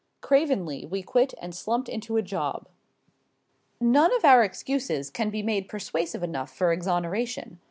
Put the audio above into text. Cravenly we quit and slumped into a job. None of our excuses can be made persuasive enough for exoneration.